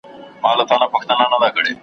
¬ هر څوک پر خپله ټيکۍ اور اړوي.